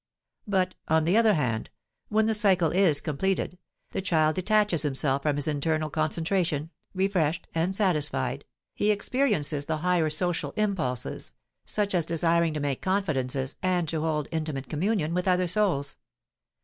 But, on the other hand, when the cycle is completed, the child detaches himself from his internal concentration; refreshed and satisfied, he experiences the higher social impulses, such as desiring to make confidences and to hold intimate communion with other souls.